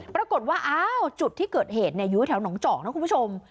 ปรากฏว่าอ้าวจุดที่เกิดเหตุอยู่แถวหนองเจาะนะคุณผู้ชม